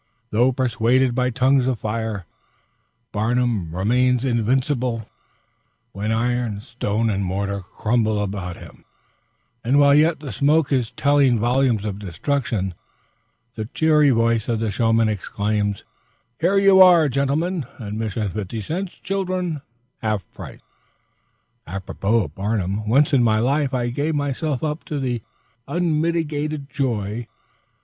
Though pursued by tongues of fire, Barnum remains invincible when iron, stone, and mortar crumble around him; and while yet the smoke is telling volumes of destruction, the cheery voice of the showman exclaims, "Here you are, gentlemen; admission fifty cents, children half price." Apropos of Barnum, once in my life I gave myself up to unmitigated joy.